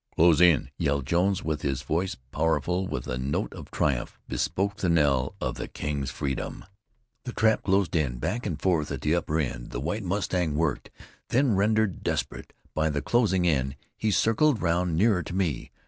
"Close in!" yelled Jones, and his voice, powerful with a note of triumph, bespoke the knell of the king's freedom. The trap closed in. Back and forth at the upper end the White Mustang worked; then rendered desperate by the closing in, he circled round nearer to me.